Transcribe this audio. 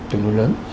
tương đối lớn